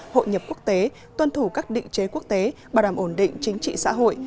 hội nhập quốc tế tuân thủ các định chế quốc tế bảo đảm ổn định chính trị xã hội